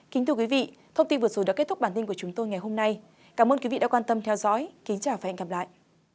cảm ơn các bạn đã theo dõi xin chào và hẹn gặp lại